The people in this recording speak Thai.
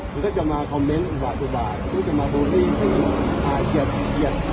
มันก็จะมาคอมเม้นท์บาตุบาตมันก็จะมาบูรีก็จะอาจเผยอาทิตย์ความเป็นเรา